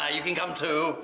kamu juga bisa ikut